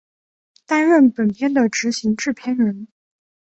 担任本片的执行制片人。